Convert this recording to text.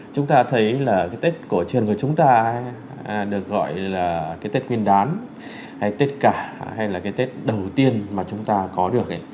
chúng ta thấy là tết cổ truyền của chúng ta được gọi là tết nguyên đán hay tết cả hay là tết đầu tiên mà chúng ta có được